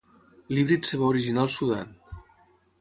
L'híbrid es va originar al Sudan.